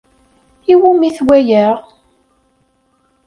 I wumi-t waya?